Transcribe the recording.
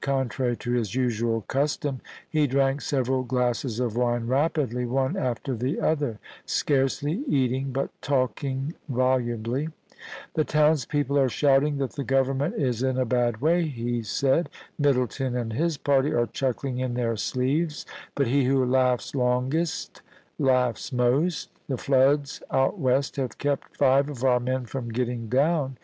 Contrary to his usual custom, he drank several glasses of wine rapidly one after the other, scarcely eating, but talking volubly. * The townspeople are shouting that the Government is in a bad way,' he said. * Middleton and his party are chuckling in their sleeves; but he who laughs longest laughs most The floods out west have kept five of our men from getting down.